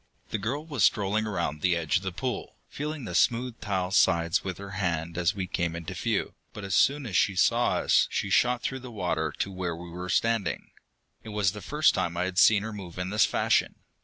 The girl was strolling around the edge of the pool, feeling the smooth tile sides with her hands as we came into view, but as soon as she saw us she shot through the water to where we were standing. It was the first time I had seen her move in this fashion.